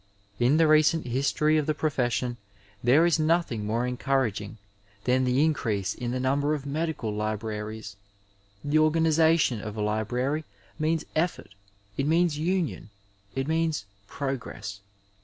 In the recent history of the profession there is nothing more encomraging than the increase in the number of medical libraries. The organi zation of a library means efiEort, it means union, it means progress.